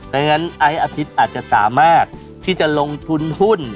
ดังนั้นไอ้อภิษอาจจะสามารถที่จะลงทุนหุ้น